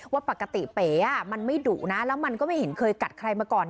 ว่าปกติเป๋มันไม่ดุนะแล้วมันก็ไม่เห็นเคยกัดใครมาก่อน